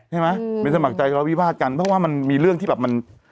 ไม่สมัครใจทะเลาวิวาสกันเพราะว่ามันมีเรื่องที่แบบมัน